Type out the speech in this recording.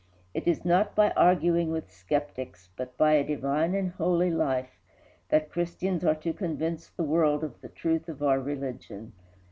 It is not by arguing with skeptics, but by a divine and holy life, that Christians are to convince the world of the truth of our religion.